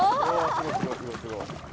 すごいすごいすごいすごい。